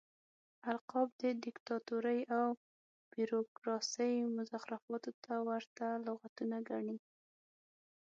القاب د ديکتاتورۍ او بيروکراسۍ مزخرفاتو ته ورته لغتونه ګڼي.